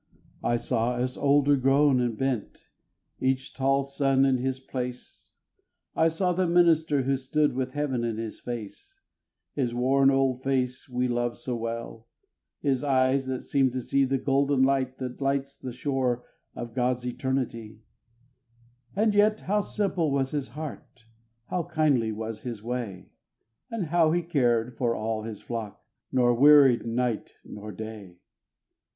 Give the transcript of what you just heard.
I saw us older grown and bent, each tall son in his place, I saw the minister who stood with heaven in his face, His worn old face we loved so well, his eyes that seemed to see The golden light that lights the shore of God's eternity; And yet how simple was his heart, how kindly was his way, And how he cared for all his flock, nor wearied night nor day!